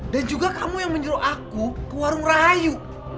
dan juga kamu yang menyuruh aku ke warung rahayu